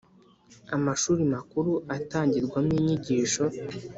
Amashuri makuru atangirwamo inyigisho